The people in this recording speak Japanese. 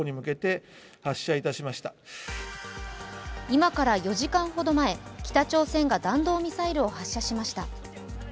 今から４時間ほど前北朝鮮が弾道ミサイルを発射しました。